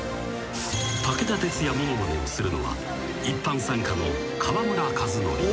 ［武田鉄矢ものまねをするのは一般参加の］